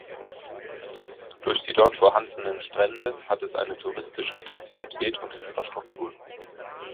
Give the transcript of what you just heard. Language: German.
Durch die dort vorhandenen Strände hat es eine touristische Attraktivität und Infrastruktur.